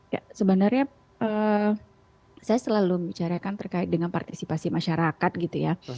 ya sebenarnya saya selalu bicarakan terkait dengan partisipasi masyarakat gitu ya